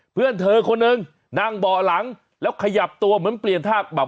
เพื่อนเธอคนหนึ่งนั่งเบาะหลังแล้วขยับตัวเหมือนเปลี่ยนท่าแบบ